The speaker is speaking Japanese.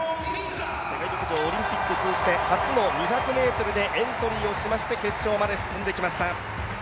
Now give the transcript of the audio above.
世界陸上オリンピック通じて初の２００ｍでエントリーをして決勝まで進んできました。